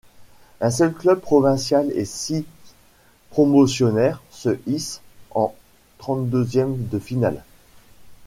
Un seul club provincial et six Promotionnaires se hissent en trente-deuxièmes de finale.